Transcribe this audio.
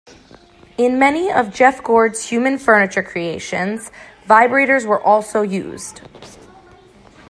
In many of Jeff Gord's human furniture creations, vibrators were also used.